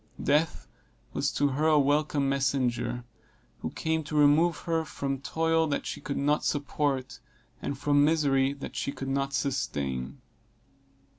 Death was to her a welcome messenger, who came to remove her from toil that she could not support, and from misery that she could not sustain.